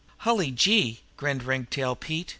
"Hully gee!" grinned Ringtail Pete.